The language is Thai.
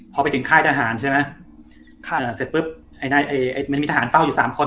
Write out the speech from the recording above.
พอไปถึงค่ายทะหารใช่ไหมมันมีทหารเฝ้าอยู่๓คน